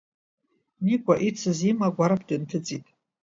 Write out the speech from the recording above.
Никәа, ицыз има, агәарԥ дынҭыҵит.